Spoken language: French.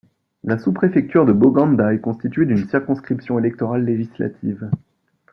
La sous-préfecture de Boganda est constituée d’une circonscription électorale législative.